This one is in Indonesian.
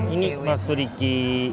ini masuk dikit